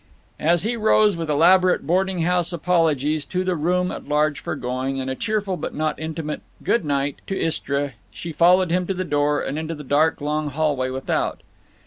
As he rose with elaborate boarding house apologies to the room at large for going, and a cheerful but not intimate "Good night" to Istra, she followed him to the door and into the dark long hallway without.